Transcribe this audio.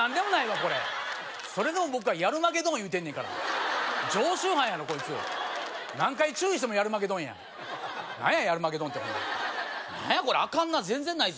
これ「それでもボクはやるマゲドン」言うてんねんから常習犯やなコイツ何回注意しても「やるマゲドン」や何や「やるマゲドン」ってほんで何やこれアカンな全然ないぞ